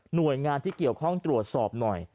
หน่วยงานที่เกี่ยวข้องตรวจสอบหน่อย